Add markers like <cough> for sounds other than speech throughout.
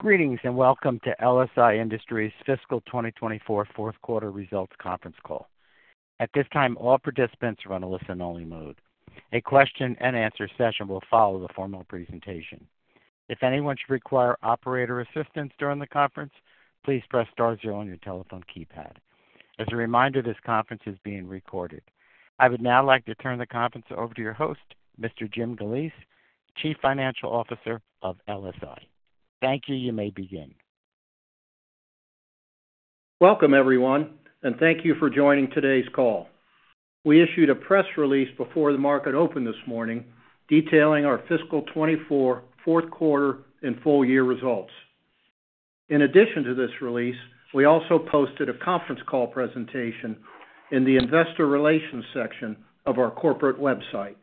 Greetings, and welcome to LSI Industries' Fiscal 2024 Fourth Quarter Results Conference Call. At this time, all participants are on a listen-only mode. A question-and-answer session will follow the formal presentation. If anyone should require operator assistance during the conference, please press star zero on your telephone keypad. As a reminder, this conference is being recorded. I would now like to turn the conference over to your host, Mr. James Galeese, Chief Financial Officer of LSI. Thank you. You may begin. Welcome, everyone, and thank you for joining today's call. We issued a press release before the market opened this morning, detailing our fiscal 2024 fourth quarter and full year results. In addition to this release, we also posted a conference call presentation in the Investor Relations section of our corporate website.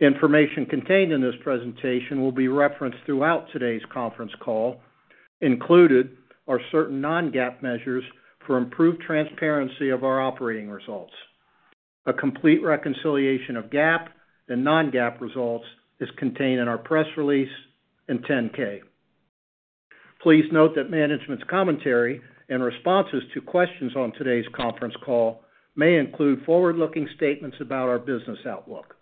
Information contained in this presentation will be referenced throughout today's conference call. Included are certain non-GAAP measures for improved transparency of our operating results. A complete reconciliation of GAAP and non-GAAP results is contained in our press release in 10-K. Please note that management's commentary and responses to questions on today's conference call may include forward-looking statements about our business outlook.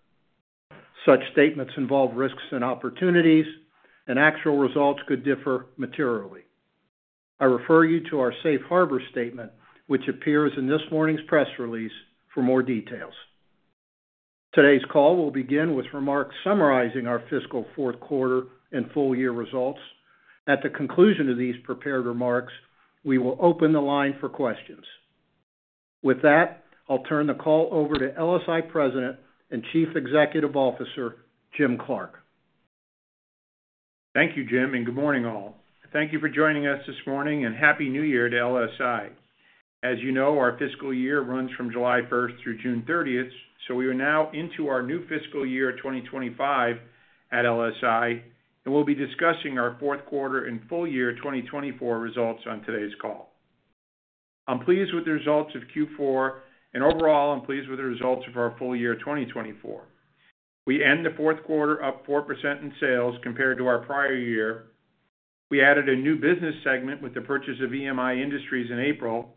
Such statements involve risks and opportunities, and actual results could differ materially. I refer you to our safe harbor statement, which appears in this morning's press release for more details. Today's call will begin with remarks summarizing our fiscal fourth quarter and full year results. At the conclusion of these prepared remarks, we will open the line for questions. With that, I'll turn the call over to LSI President and Chief Executive Officer, Jim Clark. Thank you, Jim, and good morning, all. Thank you for joining us this morning, and Happy New Year to LSI. As you know, our fiscal year runs from July 1st through June 30th, so we are now into our new fiscal year, 2025, at LSI, and we'll be discussing our fourth quarter and full year 2024 results on today's call. I'm pleased with the results of Q4, and overall, I'm pleased with the results of our full year, 2024. We end the fourth quarter up 4% in sales compared to our prior year. We added a new business segment with the purchase of EMI Industries in April,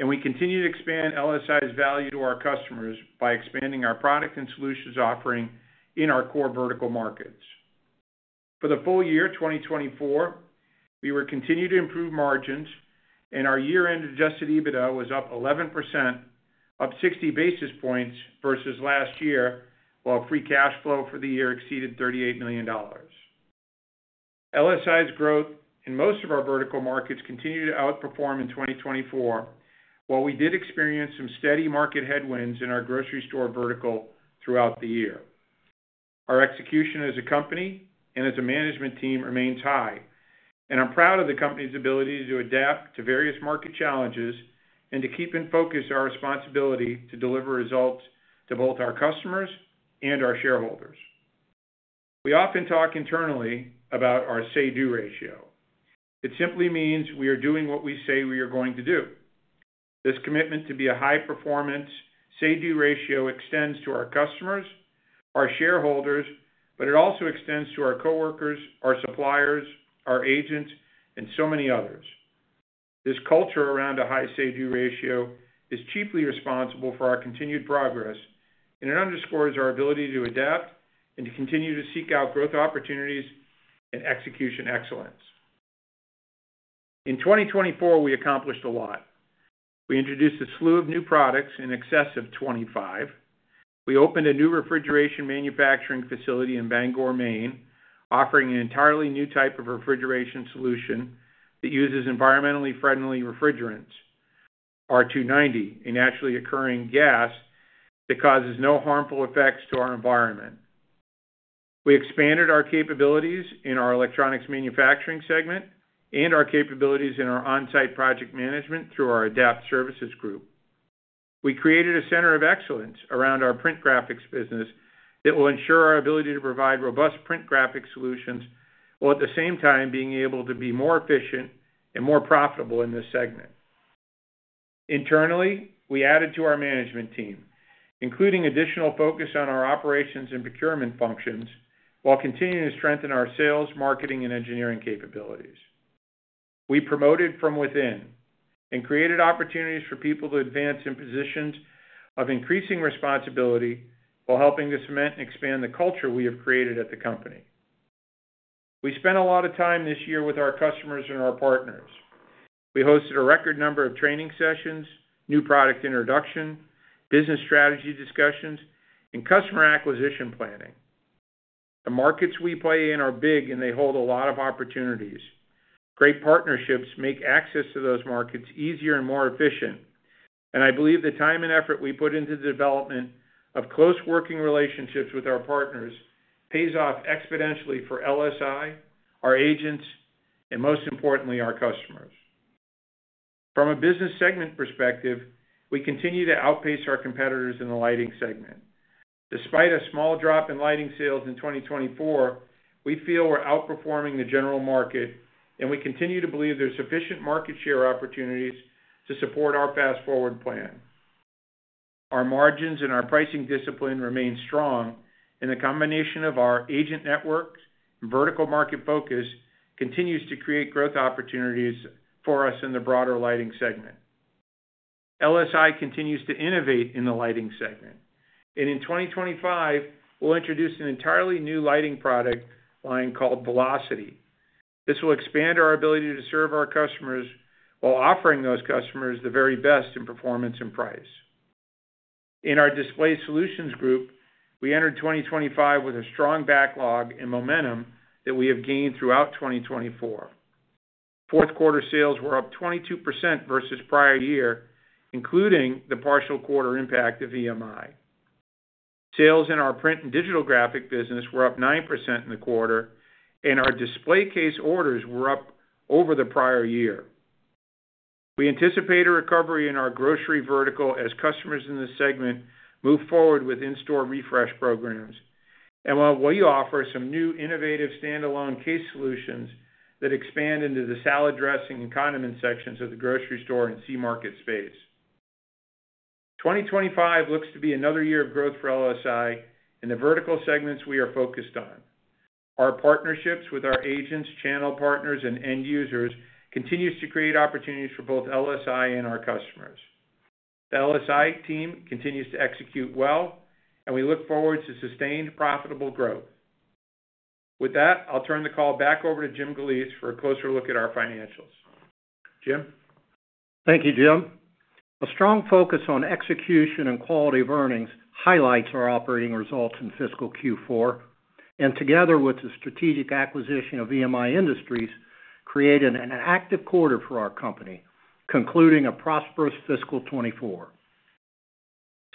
and we continue to expand LSI's value to our customers by expanding our product and solutions offering in our core vertical markets. For the full year 2024, we were continuing to improve margins, and our year-end adjusted EBITDA was up 11%, up 60 basis points versus last year, while free cash flow for the year exceeded $38 million. LSI's growth in most of our vertical markets continued to outperform in 2024, while we did experience some steady market headwinds in our grocery store vertical throughout the year. Our execution as a company and as a management team remains high, and I'm proud of the company's ability to adapt to various market challenges and to keep in focus our responsibility to deliver results to both our customers and our shareholders. We often talk internally about our say-do ratio. It simply means we are doing what we say we are going to do. This commitment to be a high-performance say-do ratio extends to our customers, our shareholders, but it also extends to our coworkers, our suppliers, our agents, and so many others. This culture around a high say-do ratio is chiefly responsible for our continued progress, and it underscores our ability to adapt and to continue to seek out growth opportunities and execution excellence. In 2024, we accomplished a lot. We introduced a slew of new products in excess of 25. We opened a new refrigeration manufacturing facility in Bangor, Maine, offering an entirely new type of refrigeration solution that uses environmentally friendly refrigerants, R290, a naturally occurring gas that causes no harmful effects to our environment. We expanded our capabilities in our electronics manufacturing segment and our capabilities in our on-site project management through our ADAPT services group. We created a center of excellence around our print graphics business that will ensure our ability to provide robust print graphic solutions, while at the same time being able to be more efficient and more profitable in this segment. Internally, we added to our management team, including additional focus on our operations and procurement functions, while continuing to strengthen our sales, marketing, and engineering capabilities. We promoted from within and created opportunities for people to advance in positions of increasing responsibility while helping to cement and expand the culture we have created at the company. We spent a lot of time this year with our customers and our partners. We hosted a record number of training sessions, new product introduction, business strategy discussions, and customer acquisition planning. The markets we play in are big, and they hold a lot of opportunities. Great partnerships make access to those markets easier and more efficient, and I believe the time and effort we put into the development of close working relationships with our partners pays off exponentially for LSI, our agents, and most importantly, our customers. From a business segment perspective, we continue to outpace our competitors in the lighting segment. Despite a small drop in lighting sales in 2024, we feel we're outperforming the general market, and we continue to believe there's sufficient market share opportunities to support our Fast Forward plan. Our margins and our pricing discipline remain strong, and the combination of our agent network and vertical market focus continues to create growth opportunities for us in the broader lighting segment. LSI continues to innovate in the lighting segment, and in 2025, we'll introduce an entirely new lighting product line called V-LOCITY. This will expand our ability to serve our customers, while offering those customers the very best in performance and price. In our display solutions group, we entered 2025 with a strong backlog and momentum that we have gained throughout 2024. Fourth quarter sales were up 22% versus prior year, including the partial quarter impact of EMI. Sales in our print and digital graphic business were up 9% in the quarter, and our display case orders were up over the prior year. We anticipate a recovery in our grocery vertical as customers in this segment move forward with in-store refresh programs. And well, we offer some new innovative standalone case solutions that expand into the salad dressing and condiment sections of the grocery store and C-market space. 2025 looks to be another year of growth for LSI in the vertical segments we are focused on. Our partnerships with our agents, channel partners, and end users continues to create opportunities for both LSI and our customers. The LSI team continues to execute well, and we look forward to sustained, profitable growth. With that, I'll turn the call back over to Jim Galeese for a closer look at our financials. Jim? Thank you, Jim. A strong focus on execution and quality of earnings highlights our operating results in fiscal Q4, and together with the strategic acquisition of EMI Industries, created an active quarter for our company, concluding a prosperous fiscal 2024.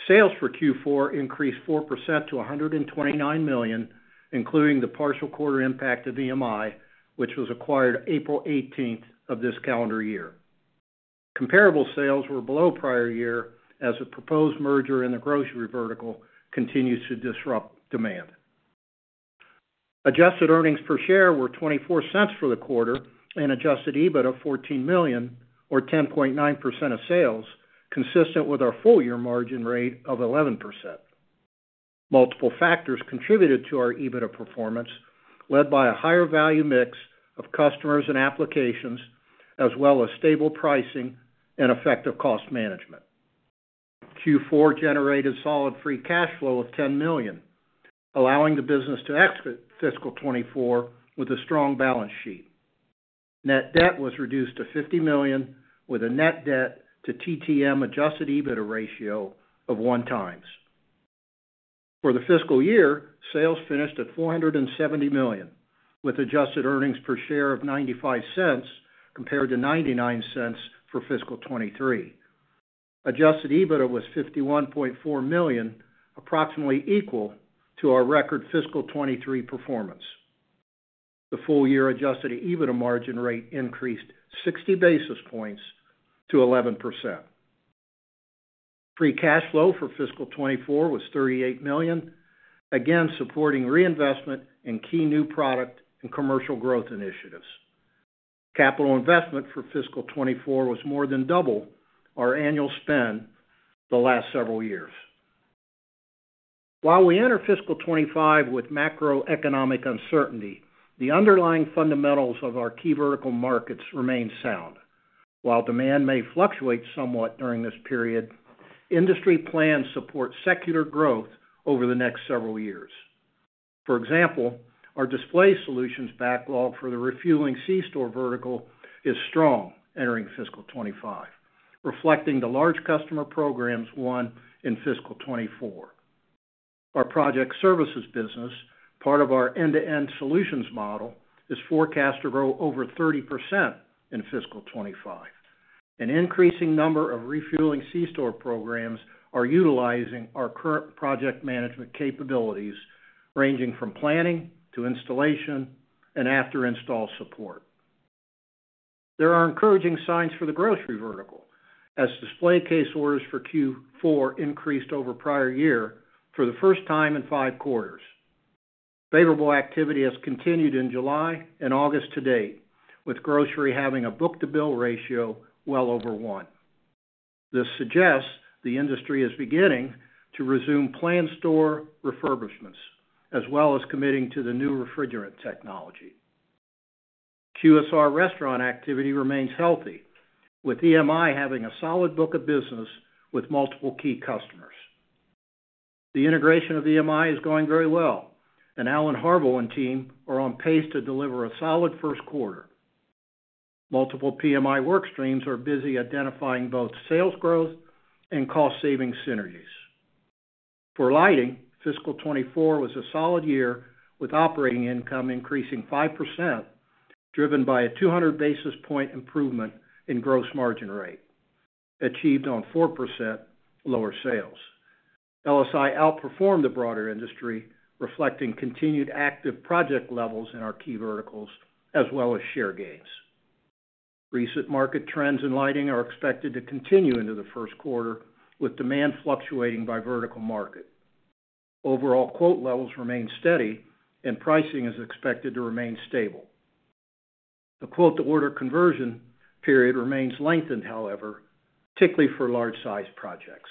Sales for Q4 increased 4% to $129 million, including the partial quarter impact of EMI, which was acquired April 18, 2024. Comparable sales were below prior year as a proposed merger in the grocery vertical continues to disrupt demand. Adjusted earnings per share were $0.24 for the quarter, and adjusted EBITDA of $14 million, or 10.9% of sales, consistent with our full year margin rate of 11%. Multiple factors contributed to our EBITDA performance, led by a higher value mix of customers and applications, as well as stable pricing and effective cost management. Q4 generated solid free cash flow of $10 million, allowing the business to exit fiscal 2024 with a strong balance sheet. Net debt was reduced to $50 million, with a net debt to TTM adjusted EBITDA ratio of 1x. For the fiscal year, sales finished at $470 million, with adjusted earnings per share of $0.95, compared to $0.99 for fiscal 2023. Adjusted EBITDA was $51.4 million, approximately equal to our record fiscal 2023 performance. The full year adjusted EBITDA margin rate increased 60 basis points to 11%. Free cash flow for fiscal 2024 was $38 million, again, supporting reinvestment in key new product and commercial growth initiatives. Capital investment for fiscal 2024 was more than double our annual spend the last several years. While we enter fiscal 2025 with macroeconomic uncertainty, the underlying fundamentals of our key vertical markets remain sound. While demand may fluctuate somewhat during this period, industry plans support secular growth over the next several years. For example, our display solutions backlog for the refueling C-store vertical is strong entering fiscal 2025, reflecting the large customer programs won in fiscal 2024. Our project services business, part of our end-to-end solutions model, is forecast to grow over 30% in fiscal 2025. An increasing number of refueling C-store programs are utilizing our current project management capabilities, ranging from planning to installation and after install support. There are encouraging signs for the grocery vertical, as display case orders for Q4 increased over prior year for the first time in five quarters. Favorable activity has continued in July and August to date, with grocery having a book-to-bill ratio well over one. This suggests the industry is beginning to resume planned store refurbishments, as well as committing to the new refrigerant technology. QSR restaurant activity remains healthy, with EMI having a solid book of business with multiple key customers. The integration of EMI is going very well, and Alan Harvill and team are on pace to deliver a solid first quarter. Multiple PMI work streams are busy identifying both sales growth and cost saving synergies. For lighting, fiscal 2024 was a solid year, with operating income increasing 5%, driven by a 200 basis point improvement in gross margin rate, achieved on 4% lower sales. LSI outperformed the broader industry, reflecting continued active project levels in our key verticals, as well as share gains. Recent market trends in lighting are expected to continue into the first quarter, with demand fluctuating by vertical market. Overall, quote levels remain steady and pricing is expected to remain stable. The quote-to-order conversion period remains lengthened, however, particularly for large-sized projects.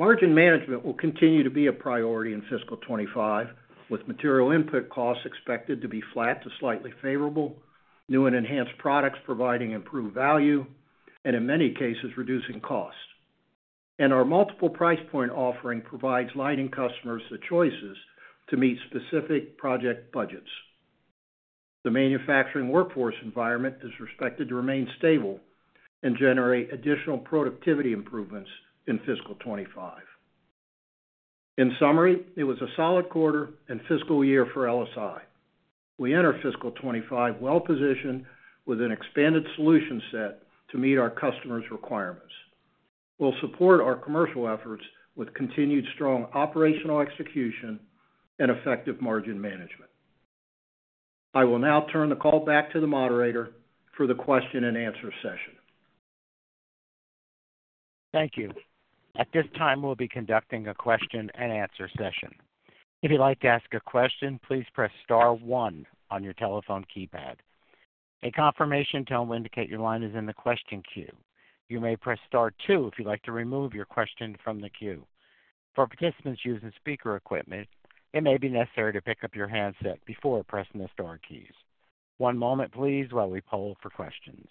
Margin management will continue to be a priority in fiscal 2025, with material input costs expected to be flat to slightly favorable, new and enhanced products providing improved value, and in many cases, reducing costs. Our multiple price point offering provides lighting customers the choices to meet specific project budgets. The manufacturing workforce environment is expected to remain stable and generate additional productivity improvements in fiscal 2025. In summary, it was a solid quarter and fiscal year for LSI. We enter fiscal 2025 well positioned with an expanded solution set to meet our customers' requirements. We'll support our commercial efforts with continued strong operational execution and effective margin management. I will now turn the call back to the moderator for the question-and-answer session. Thank you. At this time, we'll be conducting a question-and-answer session. If you'd like to ask a question, please press star one on your telephone keypad. A confirmation tone will indicate your line is in the question queue. You may press star two if you'd like to remove your question from the queue. For participants using speaker equipment, it may be necessary to pick up your handset before pressing the star keys. One moment, please, while we poll for questions.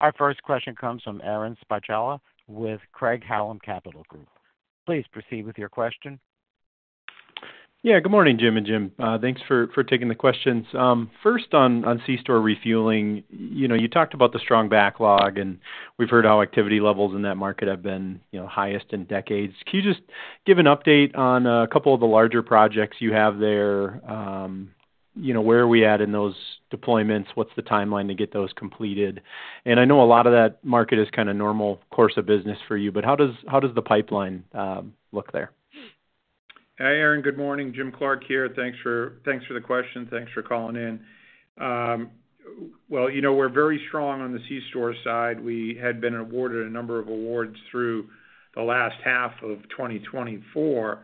Our first question comes from Aaron Spychalla with Craig-Hallum Capital Group. Please proceed with your question. Yeah, good morning, Jim and Jim. Thanks for taking the questions. First on C-store refueling, you know, you talked about the strong backlog, and we've heard how activity levels in that market have been, you know, highest in decades. Can you just give an update on a couple of the larger projects you have there? You know, where are we at in those deployments? What's the timeline to get those completed? And I know a lot of that market is kind of normal course of business for you, but how does the pipeline look there? Hi, Aaron. Good morning, Jim Clark here. Thanks for the question. Thanks for calling in. Well, you know, we're very strong on the C-store side. We had been awarded a number of awards through the last half of 2024. And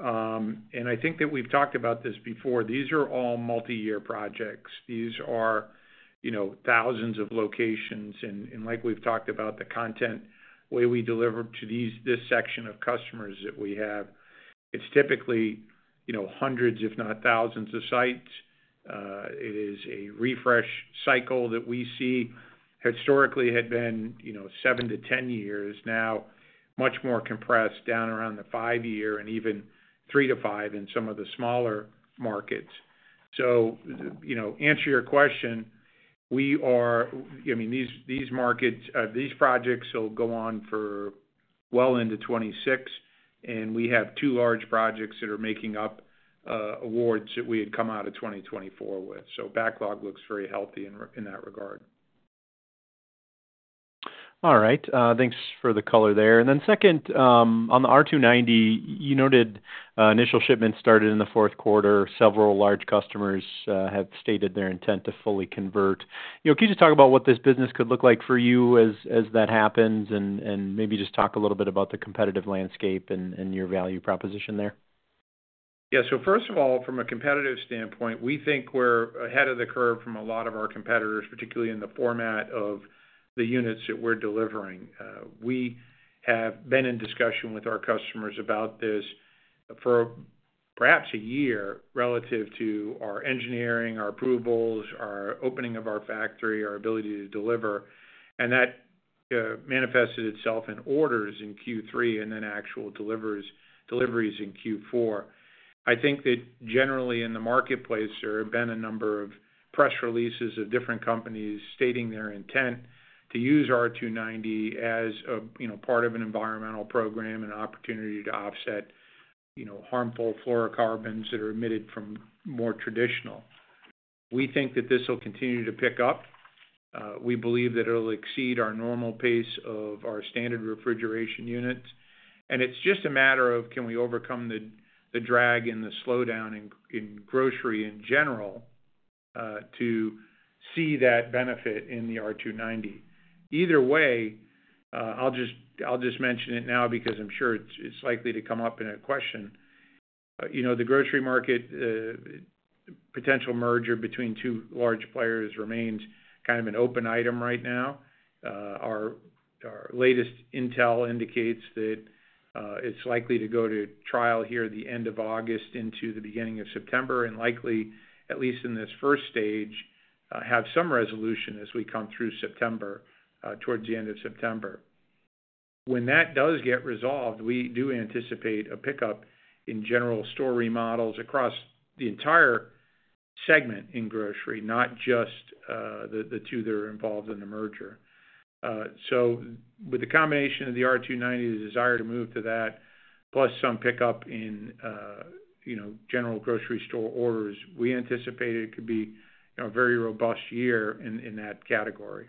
I think that we've talked about this before. These are all multi-year projects. These are, you know, thousands of locations, and like we've talked about, the content way we deliver to this section of customers that we have, it's typically, you know, hundreds, if not thousands of sites. It is a refresh cycle that we see historically had been, you know, seven-10 years. Now, much more compressed down around the five-year and even three-five in some of the smaller markets. So, you know, to answer your question, we are, I mean, these markets, these projects will go on for well into 2026, and we have two large projects that are making up awards that we had come out of 2024 with. So backlog looks very healthy in that regard. All right, thanks for the color there. Then second, on the R290, you noted initial shipments started in the fourth quarter. Several large customers have stated their intent to fully convert. You know, can you just talk about what this business could look like for you as that happens? And maybe just talk a little bit about the competitive landscape and your value proposition there. Yeah. So first of all, from a competitive standpoint, we think we're ahead of the curve from a lot of our competitors, particularly in the format of the units that we're delivering. We have been in discussion with our customers about this for perhaps a year, relative to our engineering, our approvals, our opening of our factory, our ability to deliver, and that manifested itself in orders in Q3 and then actual deliveries in Q4. I think that generally in the marketplace, there have been a number of press releases of different companies stating their intent to use R290 as a, you know, part of an environmental program and opportunity to offset, you know, harmful fluorocarbons that are emitted from more traditional. We think that this will continue to pick up. We believe that it'll exceed our normal pace of our standard refrigeration units, and it's just a matter of can we overcome the drag and the slowdown in grocery in general to see that benefit in the R290. Either way, I'll just mention it now because I'm sure it's likely to come up in a question. You know, the grocery market, potential merger between two large players remains kind of an open item right now. Our latest intel indicates that it's likely to go to trial here at the end of August into the beginning of September. And likely, at least in this first stage, have some resolution as we come through September towards the end of September. When that does get resolved, we do anticipate a pickup in general store remodels across the entire segment in grocery, not just the two that are involved in the merger. So with the combination of the R290, the desire to move to that, plus some pickup in, you know, general grocery store orders, we anticipate it could be, you know, a very robust year in that category.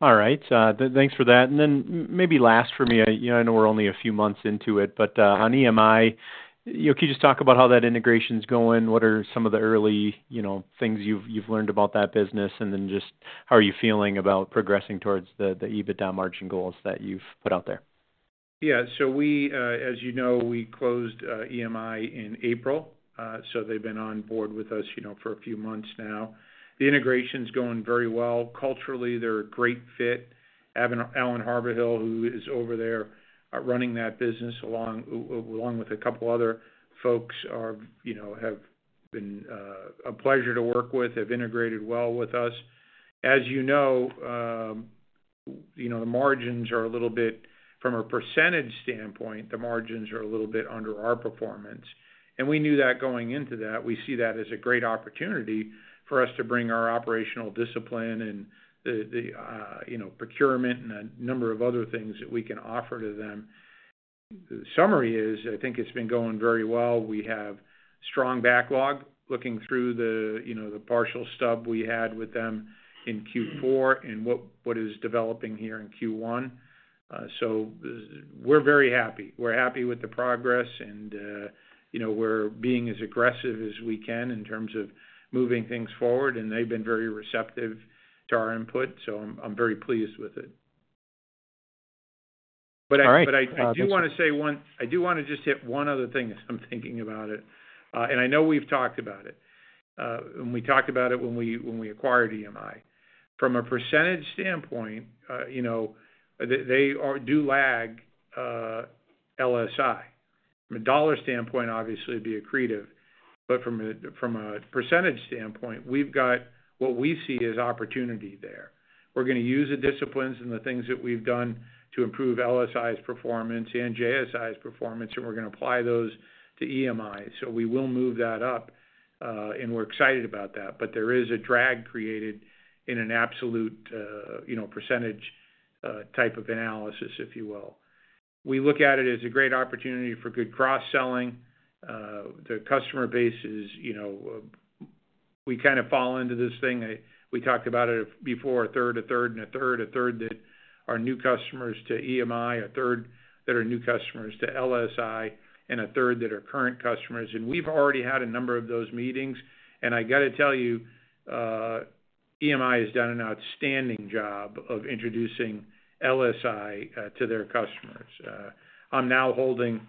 All right, thanks for that. And then maybe last for me, you know, I know we're only a few months into it, but on EMI, you know, can you just talk about how that integration's going? What are some of the early, you know, things you've learned about that business, and then just how are you feeling about progressing towards the EBITDA margin goals that you've put out there? Yeah, so we, as you know, we closed EMI in April, so they've been on board with us, you know, for a few months now. The integration's going very well. Culturally, they're a great fit. Alan Harvill, who is over there, running that business, along with a couple other folks, are, you know, have been a pleasure to work with, have integrated well with us. As you know, you know, the margins are a little bit, from a percentage standpoint, the margins are a little bit under our performance, and we knew that going into that. We see that as a great opportunity for us to bring our operational discipline and the, you know, procurement and a number of other things that we can offer to them. The summary is, I think it's been going very well. We have strong backlog, looking through the, you know, the partial stub we had with them in Q4 and what is developing here in Q1. So we're very happy. We're happy with the progress, and, you know, we're being as aggressive as we can in terms of moving things forward, and they've been very receptive to our input, so I'm very pleased with it. All right- But I do wanna say one- I do wanna just hit one other thing as I'm thinking about it, and I know we've talked about it, and we talked about it when we acquired EMI. From a percentage standpoint, you know, they do lag LSI. From a dollar standpoint, obviously, it'd be accretive, but from a percentage standpoint, we've got what we see as opportunity there. We're gonna use the disciplines and the things that we've done to improve LSI's performance and JSI's performance, and we're gonna apply those to EMI. So we will move that up, and we're excited about that. But there is a drag created in an absolute, you know, percentage type of analysis, if you will. We look at it as a great opportunity for good cross-selling. The customer base is, you know, we kind of fall into this thing, we talked about it before, a third, a third, and a third. A third that are new customers to EMI, a third that are new customers to LSI, and a third that are current customers. And we've already had a number of those meetings, and I gotta tell you, EMI has done an outstanding job of introducing LSI to their customers. I'm now holding,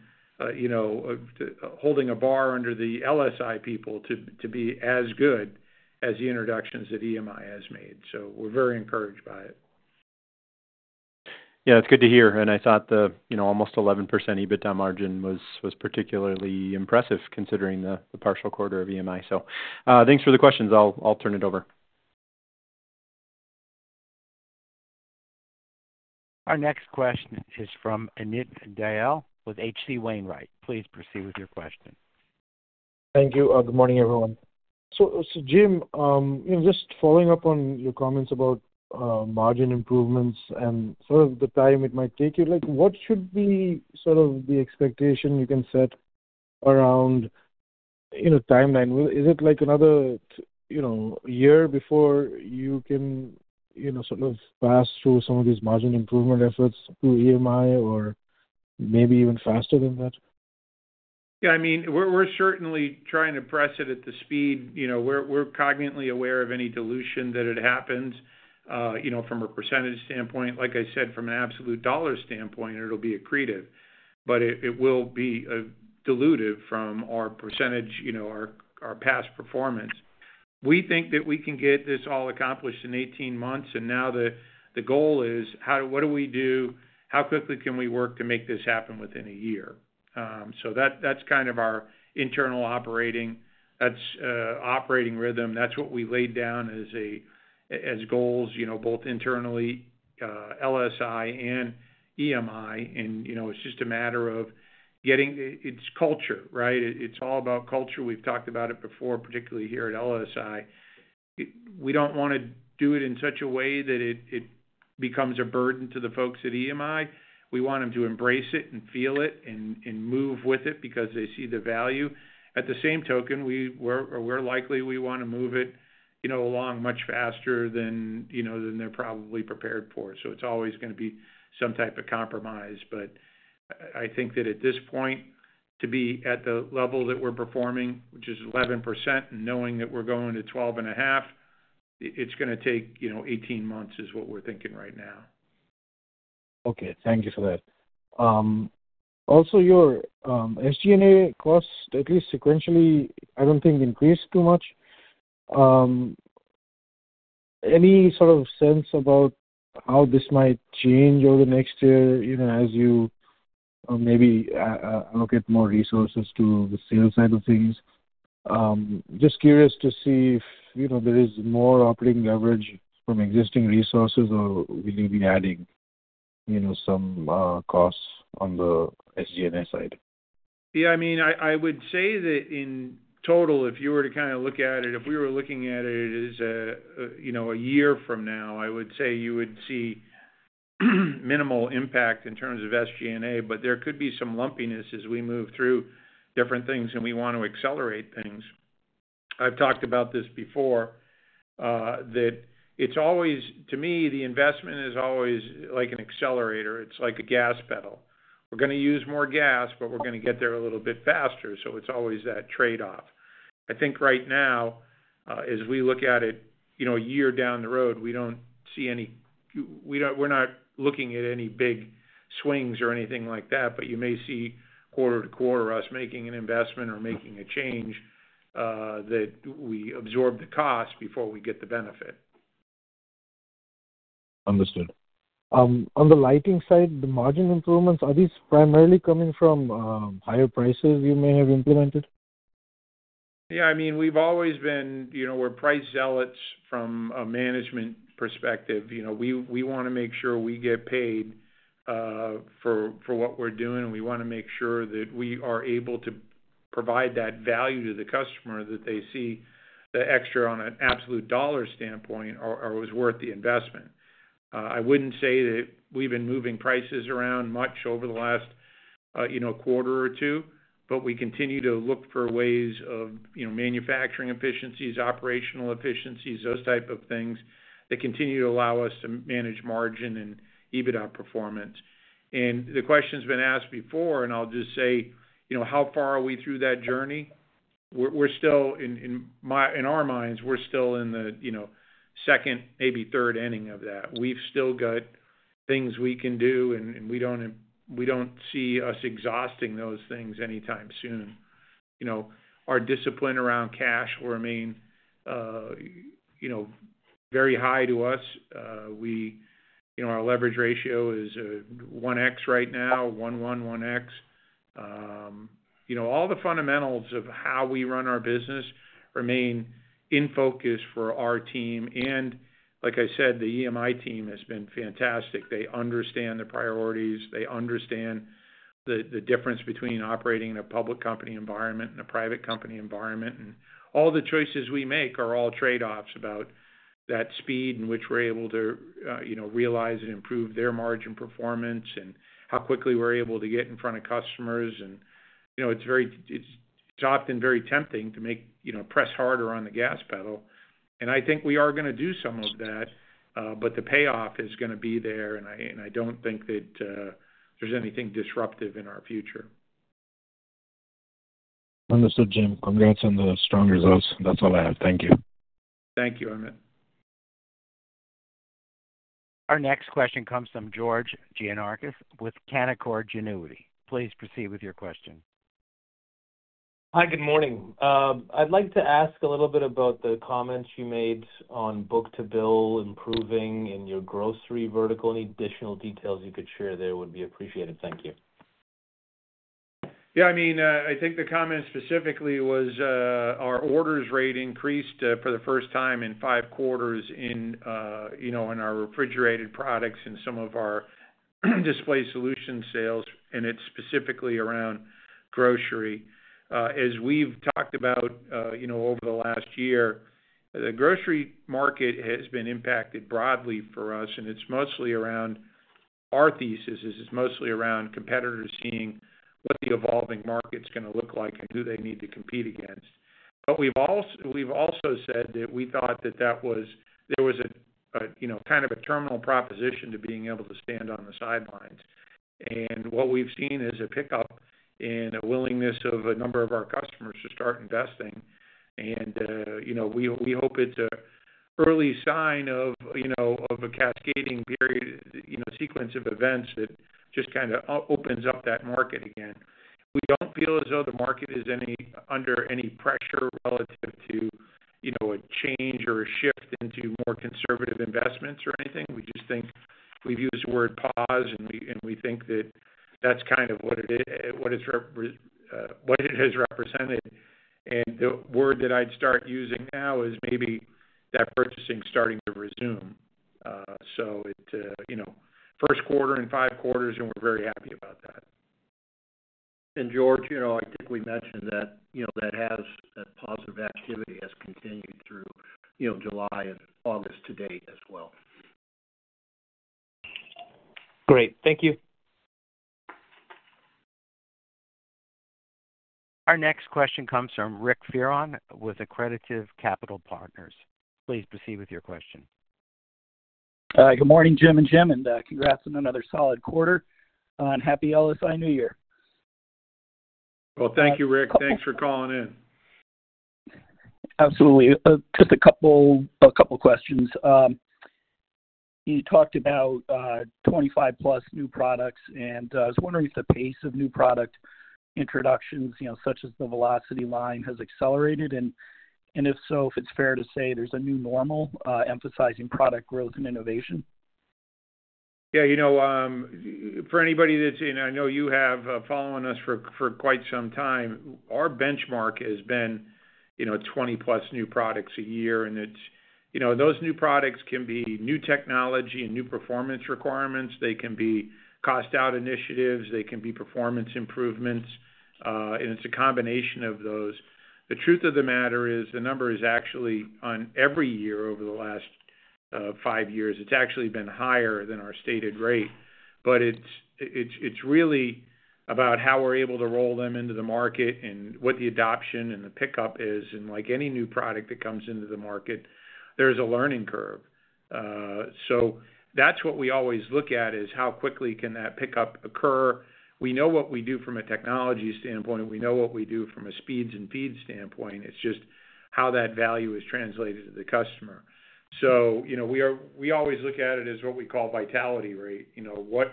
you know, holding a bar under the LSI people to be as good as the introductions that EMI has made, so we're very encouraged by it. Yeah, it's good to hear, and I thought the, you know, almost 11% EBITDA margin was particularly impressive, considering the partial quarter of EMI. So, thanks for the questions. I'll turn it over. Our next question is from Amit Dayal with H.C. Wainwright. Please proceed with your question. Thank you. Good morning, everyone. So, Jim, just following up on your comments about margin improvements and sort of the time it might take you, like, what should be sort of the expectation you can set around, you know, timeline? Is it, like, another, you know, year before you can, you know, sort of pass through some of these margin improvement efforts through EMI or maybe even faster than that? Yeah, I mean, we're certainly trying to press it at the speed. You know, we're cognitively aware of any dilution that had happened, you know, from a percentage standpoint. Like I said, from an absolute dollar standpoint, it'll be accretive, but it will be diluted from our percentage, you know, our past performance. We think that we can get this all accomplished in 18 months, and now the goal is, how do—what do we do? How quickly can we work to make this happen within a year? So that's kind of our internal operating, that's operating rhythm. That's what we laid down as goals, you know, both internally, LSI and EMI, and, you know, it's just a matter of getting. It's culture, right? It's all about culture. We've talked about it before, particularly here at LSI. We don't wanna do it in such a way that it becomes a burden to the folks at EMI. We want them to embrace it and feel it and move with it because they see the value. At the same token, we're likely we wanna move it, you know, along much faster than, you know, than they're probably prepared for. So it's always gonna be some type of compromise. But I think that at this point, to be at the level that we're performing, which is 11%, and knowing that we're going to 12.5%, it's gonna take, you know, 18 months, is what we're thinking right now. Okay, thank you for that. Also, your SG&A costs, at least sequentially, I don't think increased too much. Any sort of sense about how this might change over the next year, you know, as you maybe allocate more resources to the sales side of things? Just curious to see if, you know, there is more operating leverage from existing resources, or will you be adding, you know, some costs on the SG&A side? Yeah, I mean, I would say that in total, if you were to kind of look at it, if we were looking at it as a, you know, a year from now, I would say you would see minimal impact in terms of SG&A, but there could be some lumpiness as we move through different things, and we want to accelerate things. I've talked about this before, that it's always to me, the investment is always like an accelerator. It's like a gas pedal. We're gonna use more gas, but we're gonna get there a little bit faster, so it's always that trade-off. I think right now, as we look at it, you know, a year down the road, we don't see any— we’re not looking at any big swings or anything like that, but you may see quarter-to-quarter, us making an investment or making a change, that we absorb the cost before we get the benefit. Understood. On the lighting side, the margin improvements, are these primarily coming from higher prices you may have implemented? Yeah, I mean, we've always been, you know, we're price zealots from a management perspective. You know, we wanna make sure we get paid for what we're doing. We wanna make sure that we are able to provide that value to the customer, that they see the extra on an absolute dollar standpoint are was worth the investment. I wouldn't say that we've been moving prices around much over the last, you know, quarter or two, but we continue to look for ways of, you know, manufacturing efficiencies, operational efficiencies, those type of things, that continue to allow us to manage margin and EBITDA performance. And the question's been asked before, and I'll just say, you know, how far are we through that journey? We're still in our minds, we're still in the, you know, second, maybe third inning of that. We've still got things we can do, and we don't see us exhausting those things anytime soon. You know, our discipline around cash remain, you know, very high to us. We, you know, our leverage ratio is 1x right now, [1.1x, 1x]. You know, all the fundamentals of how we run our business remain in focus for our team, and like I said, the EMI team has been fantastic. They understand the priorities, they understand the difference between operating in a public company environment and a private company environment. All the choices we make are all trade-offs about that speed in which we're able to, you know, realize and improve their margin performance, and how quickly we're able to get in front of customers. You know, it's often very tempting to make, you know, press harder on the gas pedal, and I think we are gonna do some of that, but the payoff is gonna be there, and I don't think that there's anything disruptive in our future. Understood, Jim. Congrats on the strong results. That's all I have. Thank you. Thank you, Amit. Our next question comes from George Gianarikas with Canaccord Genuity. Please proceed with your question. Hi, good morning. I'd like to ask a little bit about the comments you made on book-to-bill improving in your grocery vertical. Any additional details you could share there would be appreciated. Thank you. Yeah, I mean, I think the comment specifically was, our orders rate increased, for the first time in five quarters in, you know, in our refrigerated products and some of our display solution sales, and it's specifically around grocery. As we've talked about, you know, over the last year, the grocery market has been impacted broadly for us, and it's mostly around... our thesis is it's mostly around competitors seeing what the evolving market's gonna look like and who they need to compete against. But we've also said that we thought that there was a, you know, kind of a terminal proposition to being able to stand on the sidelines. And what we've seen is a pickup and a willingness of a number of our customers to start investing. And, you know, we hope it's an early sign of, you know, of a cascading period, you know, sequence of events that just kind of opens up that market again. We don't feel as though the market is under any pressure relative to, you know, a change or a shift into more conservative investments or anything. We just think, we've used the word pause, and we think that that's kind of what it has represented. And the word that I'd start using now is maybe that purchasing is starting to resume. So it, you know, first quarter and five quarters, and we're very happy about that. And George, you know, I think we mentioned that, you know, that positive activity has continued through, you know, July and August to date as well. Great. Thank you. Our next question comes from Rick Fearon with Accretive Capital Partners. Please proceed with your question. Good morning, Jim and Jim, and congrats on another solid quarter, and happy LSI New Year. Well, thank you, Rick. Thanks for calling in. Absolutely. Just a couple questions. You talked about 25+ new products, and I was wondering if the pace of new product introductions, you know, such as the V-LOCITY line, has accelerated and if so, if it's fair to say there's a new normal emphasizing product growth and innovation? Yeah, you know, for anybody that's, and I know you have following us for quite some time, our benchmark has been, you know, 20+ new products a year. And it's, you know, those new products can be new technology and new performance requirements. They can be cost out initiatives, they can be performance improvements, and it's a combination of those. The truth of the matter is, the number is actually on every year over the last five years, it's actually been higher than our stated rate. But it's really about how we're able to roll them into the market and what the adoption and the pickup is, and like any new product that comes into the market, there's a learning curve. So that's what we always look at, is how quickly can that pickup occur? We know what we do from a technology standpoint, and we know what we do from a speeds and feeds standpoint. It's just how that value is translated to the customer. So, you know, we always look at it as what we call vitality rate. You know,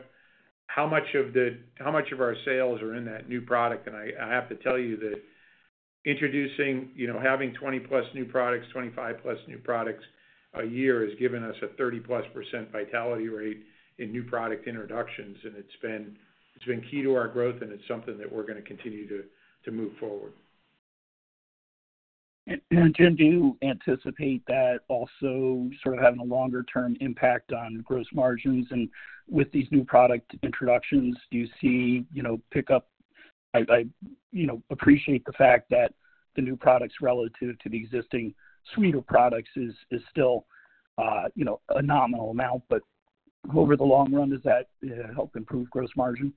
how much of our sales are in that new product? And I have to tell you that introducing, you know, having 20+ new products, 25+ new products a year, has given us a 30+% vitality rate in new product introductions, and it's been key to our growth, and it's something that we're gonna continue to move forward. Jim, do you anticipate that also sort of having a longer-term impact on gross margins? And with these new product introductions, do you see, you know, pickup? I, you know, appreciate the fact that the new products, relative to the existing suite of products is still, you know, a nominal amount. But over the long run, does that help improve gross margin?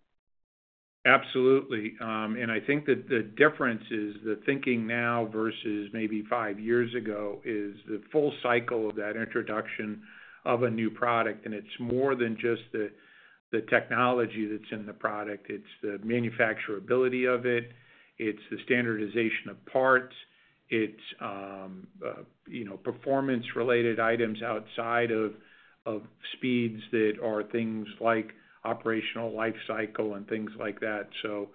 Absolutely. And I think that the difference is the thinking now versus maybe five years ago is the full cycle of that introduction of a new product, and it's more than just the technology that's in the product. It's the manufacturability of it, it's the standardization of parts, it's you know, performance-related items outside of speeds that are things like operational life cycle and things like that. So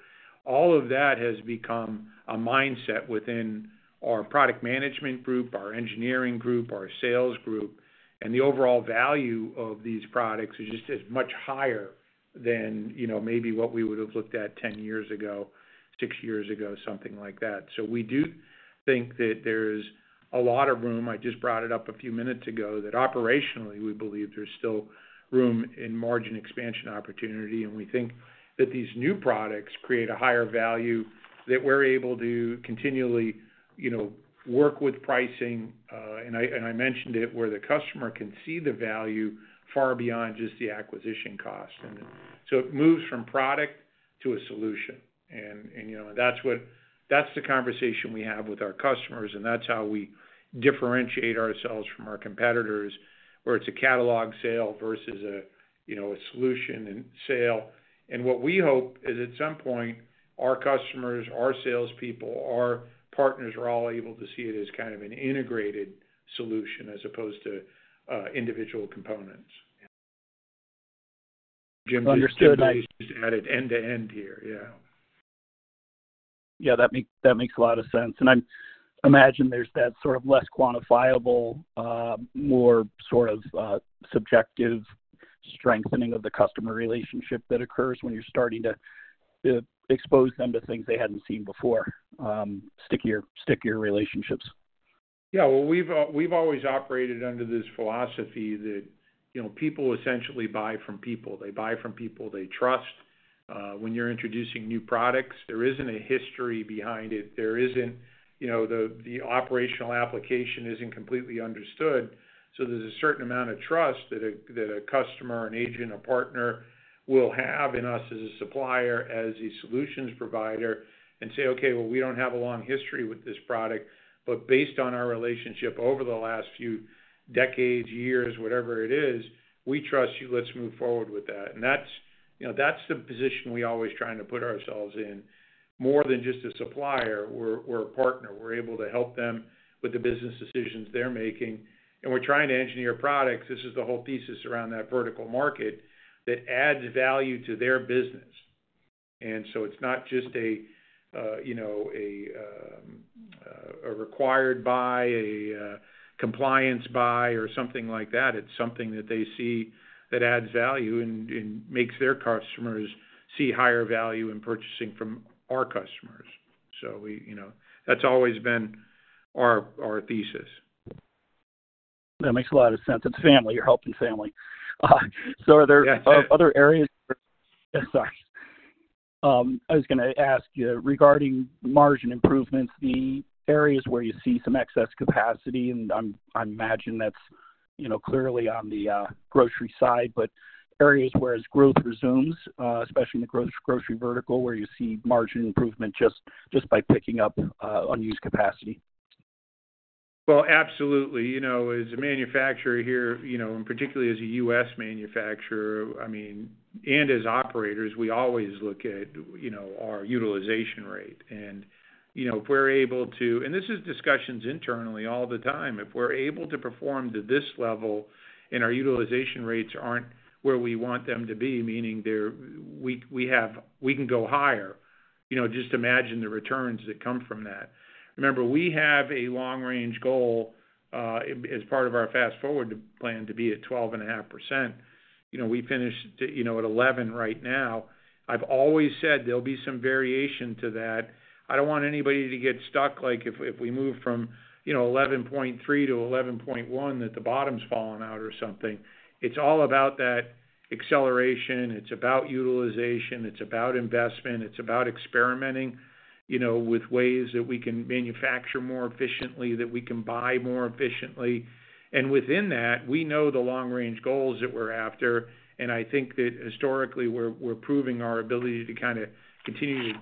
all of that has become a mindset within our product management group, our engineering group, our sales group, and the overall value of these products is just much higher than you know, maybe what we would have looked at 10 years ago, six years ago, something like that. So we do think that there's a lot of room. I just brought it up a few minutes ago, that operationally, we believe there's still room in margin expansion opportunity, and we think that these new products create a higher value, that we're able to continually, you know, work with pricing. And I mentioned it, where the customer can see the value far beyond just the acquisition cost. And so it moves from product to a solution. And, you know, that's the conversation we have with our customers, and that's how we differentiate ourselves from our competitors, where it's a catalog sale versus a, you know, a solution and sale. And what we hope is, at some point, our customers, our salespeople, our partners, are all able to see it as kind of an integrated solution as opposed to individual components. <crosstalk> added end-to-end here, yeah. Yeah, that makes a lot of sense. And I imagine there's that sort of less quantifiable, more sort of subjective strengthening of the customer relationship that occurs when you're starting to expose them to things they hadn't seen before, stickier relationships. Yeah. Well, we've always operated under this philosophy that, you know, people essentially buy from people. They buy from people they trust. When you're introducing new products, there isn't a history behind it. There isn't, you know, the operational application isn't completely understood, so there's a certain amount of trust that a customer, an agent, a partner, will have in us as a supplier, as a solutions provider, and say, "Okay, well, we don't have a long history with this product, but based on our relationship over the last few decades, years, whatever it is, we trust you. Let's move forward with that." And that's, you know, that's the position we're always trying to put ourselves in. More than just a supplier, we're a partner. We're able to help them with the business decisions they're making, and we're trying to engineer products. This is the whole thesis around that vertical market, that adds value to their business. And so it's not just a, you know, a required buy, a compliance buy, or something like that. It's something that they see that adds value and makes their customers see higher value in purchasing from our customers. So we, you know, that's always been our thesis. That makes a lot of sense. It's family. You're helping family. So are there- Yes. - other areas... sorry. I was gonna ask you regarding margin improvements, the areas where you see some excess capacity, and I imagine that's, you know, clearly on the grocery side, but areas where as growth resumes, especially in the grocery vertical, where you see margin improvement just by picking up unused capacity. Well, absolutely. You know, as a manufacturer here, you know, and particularly as a US manufacturer, I mean, and as operators, we always look at, you know, our utilization rate. And, you know, if we're able to— and this is discussions internally all the time. If we're able to perform to this level, and our utilization rates aren't where we want them to be, meaning they're— we have— we can go higher, you know, just imagine the returns that come from that. Remember, we have a long-range goal, as part of our Fast Forward plan, to be at 12.5%. You know, we finished, you know, at 11% right now. I've always said there'll be some variation to that. I don't want anybody to get stuck, like, if we move from, you know, 11.3% to 11.1%, that the bottom's falling out or something. It's all about that acceleration, it's about utilization, it's about investment, it's about experimenting, you know, with ways that we can manufacture more efficiently, that we can buy more efficiently. And within that, we know the long-range goals that we're after, and I think that historically, we're proving our ability to kinda continue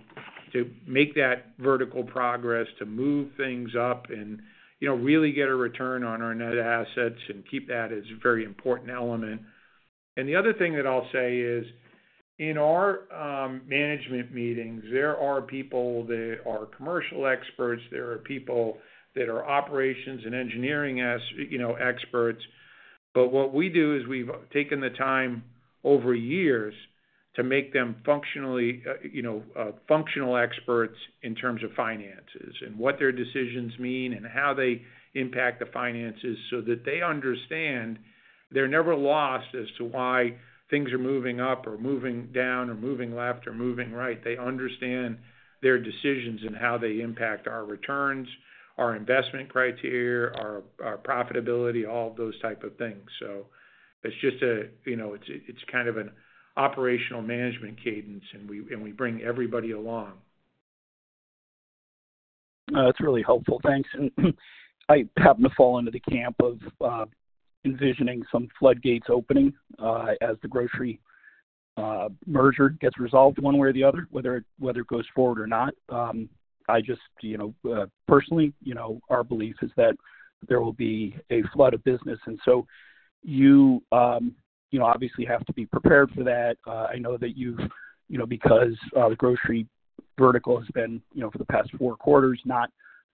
to make that vertical progress, to move things up and, you know, really get a return on our net assets and keep that as a very important element. And the other thing that I'll say is, in our management meetings, there are people that are commercial experts, there are people that are operations and engineering as, you know, experts. But what we do is we've taken the time over years to make them functionally, you know, functional experts in terms of finances and what their decisions mean and how they impact the finances, so that they understand they're never lost as to why things are moving up or moving down, or moving left or moving right. They understand their decisions and how they impact our returns, our investment criteria, our profitability, all of those type of things. So it's just a, you know, it's kind of an operational management cadence, and we bring everybody along. That's really helpful. Thanks. I happen to fall into the camp of envisioning some floodgates opening as the grocery merger gets resolved one way or the other, whether it goes forward or not. I just, you know, personally, you know, our belief is that there will be a flood of business, and so you, you know, obviously have to be prepared for that. I know that you've, you know, because the grocery vertical has been, you know, for the past four quarters, not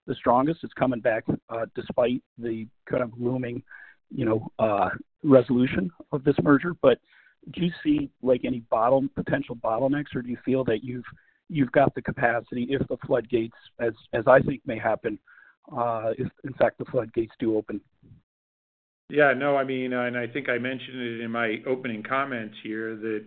the strongest. It's coming back despite the kind of looming, you know, resolution of this merger. But do you see, like, any potential bottlenecks, or do you feel that you've got the capacity if the floodgates, as I think may happen, if in fact, the floodgates do open? Yeah, no, I mean, and I think I mentioned it in my opening comments here, that,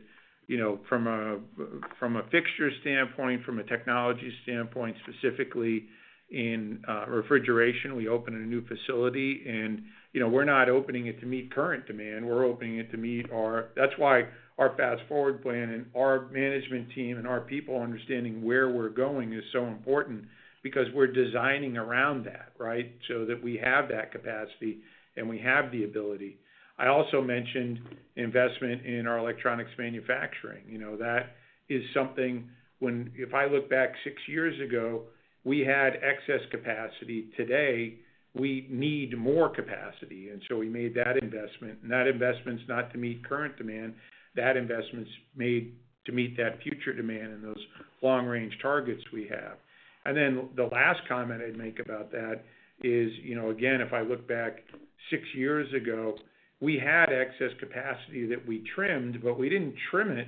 you know, from a fixture standpoint, from a technology standpoint, specifically in refrigeration, we opened a new facility and, you know, we're not opening it to meet current demand. We're opening it to meet our-- that's why our Fast Forward plan and our management team and our people understanding where we're going is so important because we're designing around that, right? So that we have that capacity, and we have the ability. I also mentioned investment in our electronics manufacturing. You know, that is something when— if I look back six years ago, we had excess capacity. Today, we need more capacity, and so we made that investment. And that investment's not to meet current demand, that investment's made to meet that future demand and those long-range targets we have. And then the last comment I'd make about that is, you know, again, if I look back six years ago, we had excess capacity that we trimmed, but we didn't trim it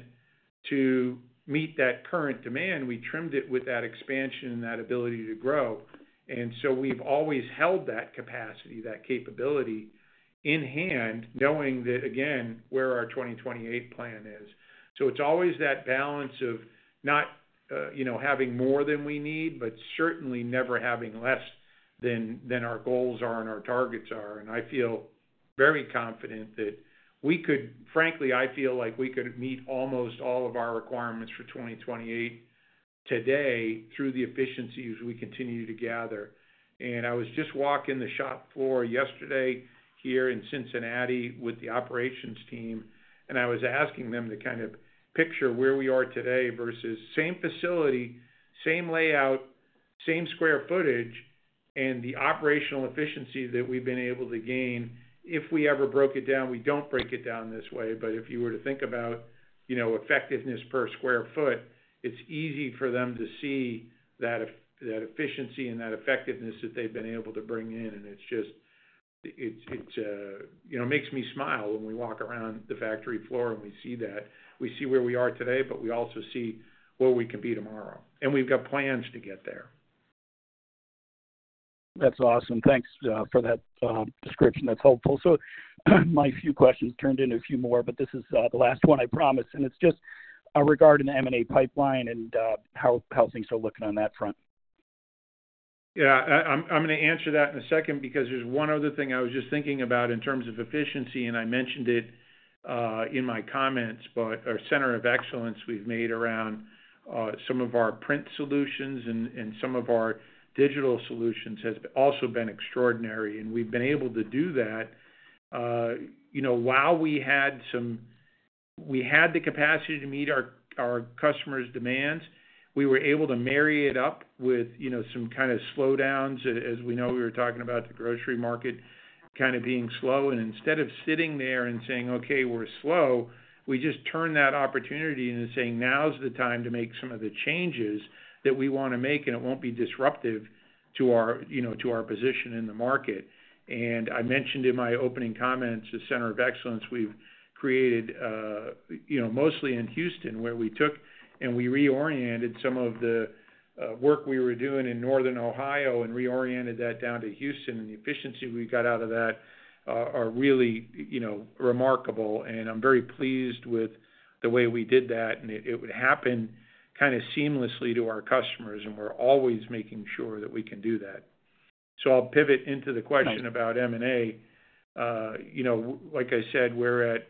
to meet that current demand. We trimmed it with that expansion and that ability to grow. And so we've always held that capacity, that capability in hand, knowing that, again, where our 2028 plan is. So it's always that balance of not, you know, having more than we need, but certainly never having less than our goals are and our targets are. And I feel very confident that we could— frankly, I feel like we could meet almost all of our requirements for 2028 today through the efficiencies we continue to gather. And I was just walking the shop floor yesterday here in Cincinnati with the operations team, and I was asking them to kind of picture where we are today versus same facility, same layout, same square footage, and the operational efficiency that we've been able to gain. If we ever broke it down, we don't break it down this way, but if you were to think about, you know, effectiveness per square foot, it's easy for them to see that efficiency and that effectiveness that they've been able to bring in. And it's just, it's, you know, it makes me smile when we walk around the factory floor and we see that. We see where we are today, but we also see where we can be tomorrow, and we've got plans to get there. That's awesome. Thanks for that description. That's helpful. So my few questions turned into a few more, but this is the last one, I promise. And it's just regarding the M&A pipeline and how things are looking on that front. Yeah, I'm gonna answer that in a second because there's one other thing I was just thinking about in terms of efficiency, and I mentioned it in my comments, but our center of excellence we've made around some of our print solutions and some of our digital solutions has also been extraordinary, and we've been able to do that. You know, while we had the capacity to meet our customers' demands, we were able to marry it up with, you know, some kind of slowdowns. As we know, we were talking about the grocery market kind of being slow, and instead of sitting there and saying, "Okay, we're slow," we just turn that opportunity into saying, "Now is the time to make some of the changes that we wanna make, and it won't be disruptive to our, you know, to our position in the market." And I mentioned in my opening comments, the center of excellence we've created, you know, mostly in Houston, where we took and we reoriented some of the work we were doing in Northern Ohio and reoriented that down to Houston, and the efficiency we got out of that are really, you know, remarkable. And I'm very pleased with the way we did that, and it would happen kinda seamlessly to our customers, and we're always making sure that we can do that. I'll pivot into the question about M&A. You know, like I said, we're at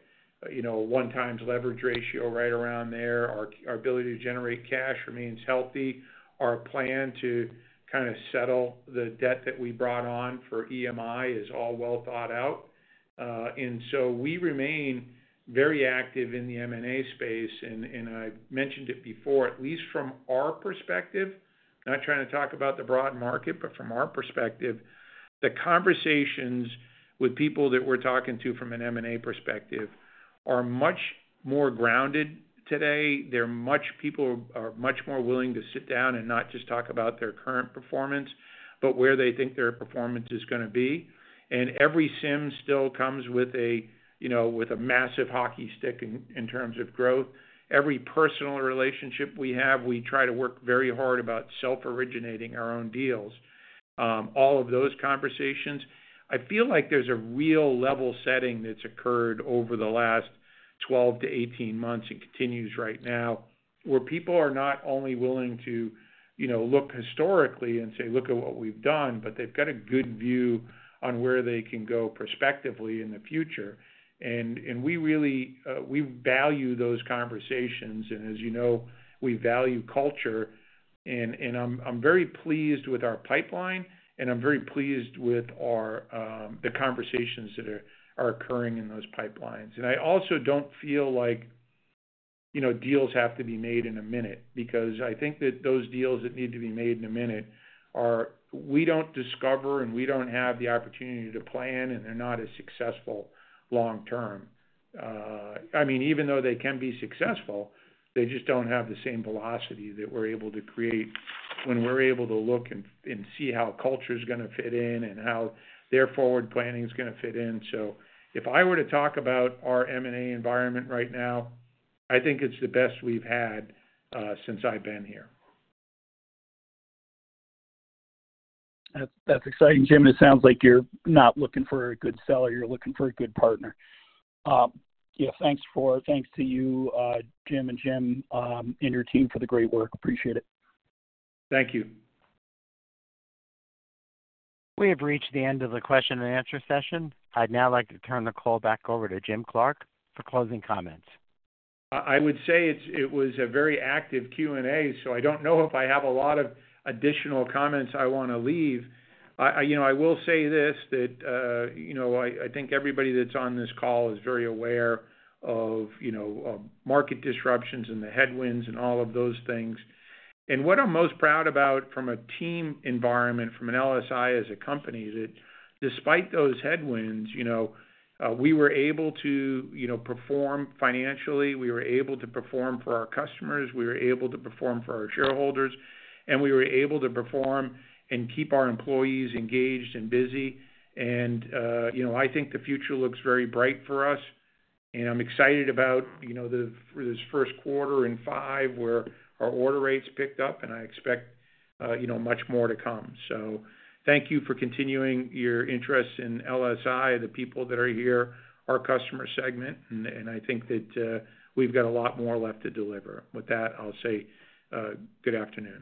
1x leverage ratio right around there. Our ability to generate cash remains healthy. Our plan to kind of settle the debt that we brought on for EMI is all well thought out. And so we remain very active in the M&A space, and I've mentioned it before, at least from our perspective, not trying to talk about the broad market, but from our perspective, the conversations with people that we're talking to from an M&A perspective are much more grounded today. People are much more willing to sit down and not just talk about their current performance, but where they think their performance is gonna be. And every CIM still comes with a, you know, with a massive hockey stick in terms of growth. Every personal relationship we have, we try to work very hard about self-originating our own deals. All of those conversations, I feel like there's a real level setting that's occurred over the last 12-18 months and continues right now, where people are not only willing to, you know, look historically and say, "Look at what we've done," but they've got a good view on where they can go prospectively in the future. And we really, we value those conversations, and as you know, we value culture, and I'm very pleased with our pipeline, and I'm very pleased with our, the conversations that are occurring in those pipelines. And I also don't feel like, you know, deals have to be made in a minute, because I think that those deals that need to be made in a minute are— We don't discover, and we don't have the opportunity to plan, and they're not as successful long term. I mean, even though they can be successful, they just don't have the same velocity that we're able to create when we're able to look and see how culture is gonna fit in and how their forward planning is gonna fit in. So if I were to talk about our M&A environment right now, I think it's the best we've had since I've been here. That's exciting, Jim. It sounds like you're not looking for a good seller, you're looking for a good partner. Yeah, thanks to you, Jim and Jim, and your team for the great work. Appreciate it. Thank you. We have reached the end of the question and answer session. I'd now like to turn the call back over to Jim Clark for closing comments. I would say it's, it was a very active Q&A, so I don't know if I have a lot of additional comments I wanna leave. You know, I will say this, that, you know, I think everybody that's on this call is very aware of, you know, of market disruptions and the headwinds and all of those things. And what I'm most proud about from a team environment, from an LSI as a company, is that despite those headwinds, you know, we were able to, you know, perform financially, we were able to perform for our customers, we were able to perform for our shareholders, and we were able to perform and keep our employees engaged and busy. You know, I think the future looks very bright for us, and I'm excited about, you know, this first quarter in five, where our order rates picked up, and I expect, you know, much more to come. So thank you for continuing your interest in LSI, the people that are here, our customer segment, and I think that, we've got a lot more left to deliver. With that, I'll say good afternoon.